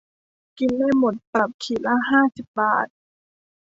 กินไม่หมด ปรับขีดละห้าสิบบาท